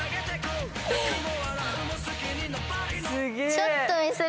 ちょっと。